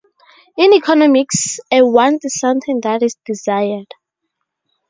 In economics, a want is something that is desired.